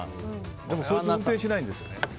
でも、そいつ運転しないんですよね。